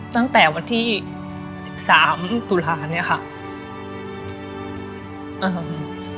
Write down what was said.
ตั้งแต่วันที่๑๓ตุลาคม